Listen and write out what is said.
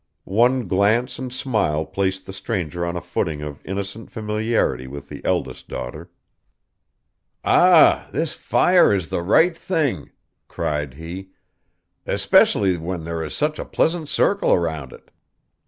One glance and smile placed the stranger on a footing of innocent familiarity with the eldest daughter. 'Ah, this fire is the right thing!' cried he; 'especially when there is such a pleasant circle round it.